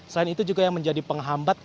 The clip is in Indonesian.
selain itu juga yang menjadi penghambat